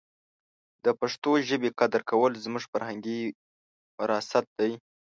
د پښتو ژبې قدر کول زموږ فرهنګي وراثت دی.